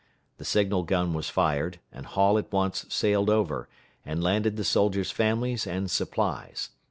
The signal gun was fired, and Hall at once sailed over, and landed the soldiers' families and supplies.